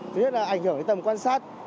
thứ nhất là ảnh hưởng đến tầm quan sát